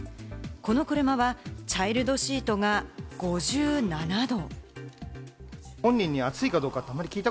この車はチャイルドシートが５７度。